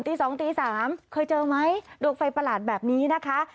ตี๒ตี๓เคยเจอไหมดวงไฟประหลาดแบบนี้นะคะ